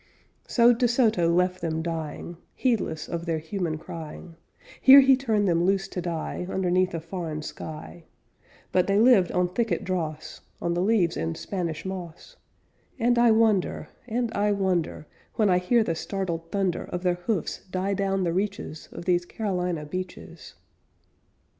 So De Soto left them dying, Heedless of their human crying; Here he turned them loose to die Underneath a foreign sky; But they lived on thicket dross, On the leaves and Spanish moss And I wonder, and I wonder, When I hear the startled thunder Of their hoofs die down the reaches Of these Carolina beaches.